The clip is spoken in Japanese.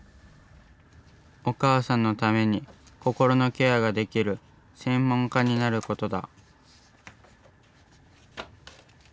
お母さんのために心のケアができる専門家になることだ。